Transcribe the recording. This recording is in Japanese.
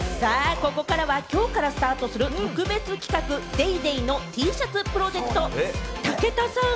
ここからはきょうからスタートする特別企画、『ＤａｙＤａｙ．』のＴシャツプロジェクト。